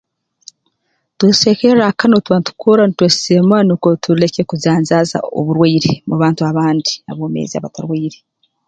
Tweswekerra akanwa obu tuba ntukorra ntweseemura nukwo tuleke okujanjaaza oburwaire mu bantu abandi aboomeezi abatarwaire